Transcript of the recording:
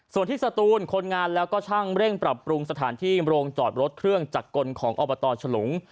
ส่วนที่สตูนคนงานแล้วก็ช่างเร่งปรับปรุงสถานที่โรงจอดรถเครื่องจักรกลของอบตฉลุง